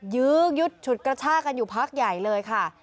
ยื้อยุดฉุดกระชากันอยู่พักใหญ่เลยค่ะ